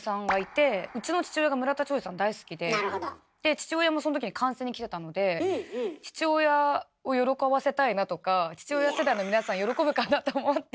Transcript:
父親もその時に観戦に来てたので父親を喜ばせたいなとか父親世代の皆さん喜ぶかなと思って。